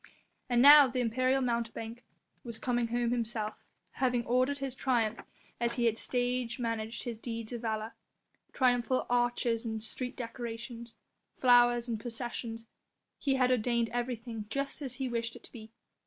And now the imperial mountebank was coming home himself, having ordered his triumph as he had stage managed his deeds of valour. Triumphal arches and street decorations, flowers and processions, he had ordained everything just as he wished it to be.